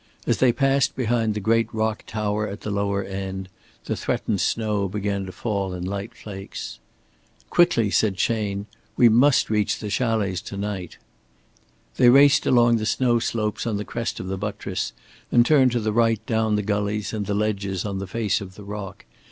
As they passed behind the great rock tower at the lower end, the threatened snow began to fall in light flakes. "Quickly," said Chayne. "We must reach the chalets to night." They raced along the snow slopes on the crest of the buttress and turned to the right down the gullies and the ledges on the face of the rock.